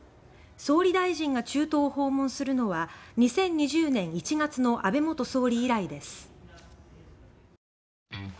総理大臣が中東を訪問するのは２０２０年１月の安倍元総理以来です。